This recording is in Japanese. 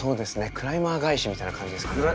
クライマー返しみたいな感じですね。